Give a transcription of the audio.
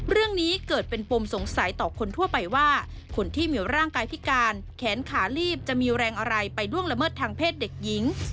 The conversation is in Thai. เรื่องนี้เกิดเป็นปมสงสัยต่อคนทั่วไปว่าคนที่มีร่างกายพิการแขนขาลีบจะมีแรงอะไรไปล่วงละเมิดทางเพศเด็กหญิง